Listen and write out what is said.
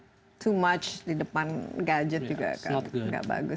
terlalu banyak di depan gadget juga kan tidak bagus